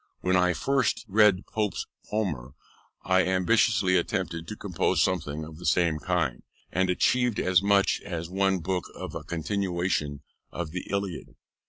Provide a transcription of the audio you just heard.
When I first read Pope's Homer, I ambitiously attempted to compose something of the same kind, and achieved as much as one book of a continuation of the Iliad.